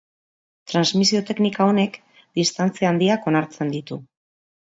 Transmisio-teknika honek distantzia handiak onartzen ditu.